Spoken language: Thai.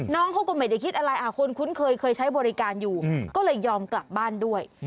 น้องเขาก็ไม่ได้คิดอะไรคนคุ้นเคยเคยใช้บริการอยู่ก็เลยยอมกลับบ้านด้วย